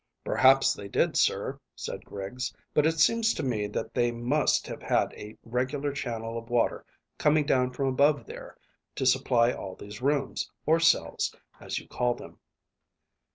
"Perhaps they did, sir," said Griggs; "but it seems to me that they must have had a regular channel of water coming down from above there to supply all these rooms, or cells, as you call them."